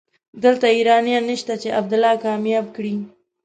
دلته ايرانيان نشته چې عبدالله کامياب کړي.